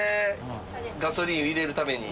ガソリンを入れるために？